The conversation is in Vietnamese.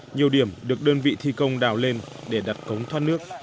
nhiều điểm được đơn vị thi công đào lên để đặt cống thoát nước